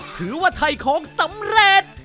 ถือว่าถ่ายของสำเร็จ